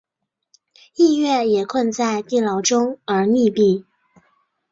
逸悦也困在地牢中而溺毙。